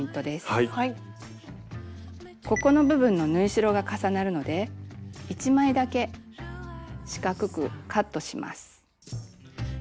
ここの部分の縫い代が重なるので１枚だけ四角くカットします。